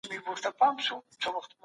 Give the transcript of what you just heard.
همېشه اخته په ویر وي